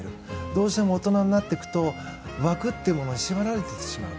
どうしても大人になっていくと枠っていうものに縛られてしまう。